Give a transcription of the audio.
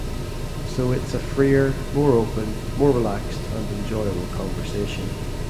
So it's a freer, more open, more relaxed and enjoyable conversation.